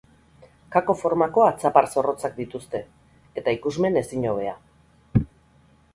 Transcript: Kako formako atzapar zorrotzak dituzte, eta ikusmen ezin hobea.